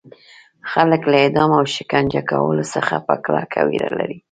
خلک له اعدام او شکنجه کولو څخه په کلکه ویره لري.